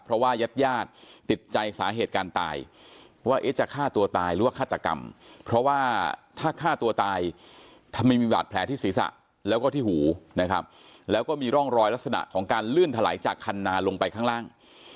เพราะว่ายาดติดใจสาเหตุการตายว่าจะฆ่าตัวตายหรือว่าฆาตกรรมเพราะว่าถ้าฆ่าตัวตายทำไมมีบาดแผลที่ศีรษะแล้วก็ที่หูนะครับแล้วก็มีร่องรอยลักษณะของการลื่นถลายจากคันนาลงไปข้างล่าง